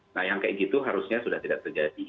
nah yang kayak gitu harusnya sudah tidak terjadi